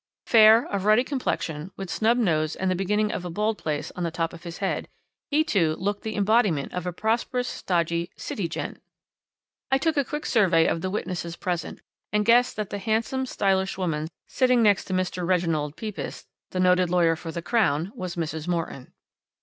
Fair, of ruddy complexion, with snub nose and the beginning of a bald place on the top of his head, he, too, looked the embodiment of a prosperous, stodgy 'City gent.' "I took a quick survey of the witnesses present, and guessed that the handsome, stylish woman sitting next to Mr. Reginald Pepys, the noted lawyer for the Crown, was Mrs. Morton.